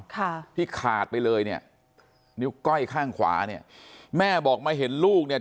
ค่ะที่ขาดไปเลยเนี่ยนิ้วก้อยข้างขวาเนี่ยแม่บอกมาเห็นลูกเนี่ย